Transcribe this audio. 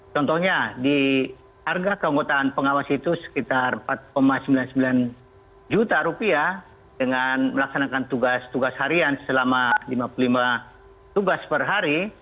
contohnya di harga keanggotaan pengawas itu sekitar rp empat sembilan puluh sembilan juta rupiah dengan melaksanakan tugas tugas harian selama lima puluh lima tugas per hari